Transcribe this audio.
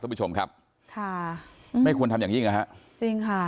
คุณผู้ชมครับค่ะไม่ควรทำอย่างยิ่งนะฮะจริงค่ะ